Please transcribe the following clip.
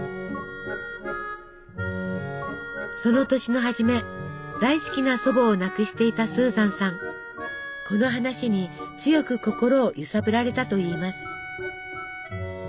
その年の初め大好きな祖母を亡くしていたこの話に強く心を揺さぶられたといいます。